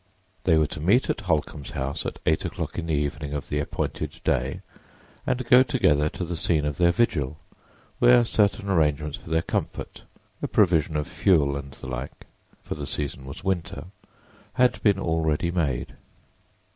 They were to meet at Holcomb's house at eight o'clock in the evening of the appointed day and go together to the scene of their vigil, where certain arrangements for their comfort, a provision of fuel and the like, for the season was winter, had been already made.